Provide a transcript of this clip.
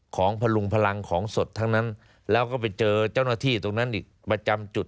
พลุงพลังของสดทั้งนั้นแล้วก็ไปเจอเจ้าหน้าที่ตรงนั้นอีกประจำจุด